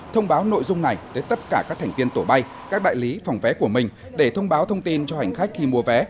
thông báo nội dung này tới tất cả các thành viên tổ bay các đại lý phòng vé của mình để thông báo thông tin cho hành khách khi mua vé